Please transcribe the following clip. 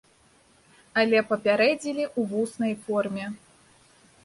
Але папярэдзілі ў вуснай форме.